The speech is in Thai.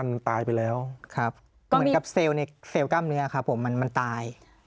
มันตายไปแล้วครับเหมือนกับเซลล์ในเซลล์กล้ามเนื้อครับผมมันมันตาย